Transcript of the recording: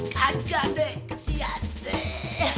gagah deh kesian deh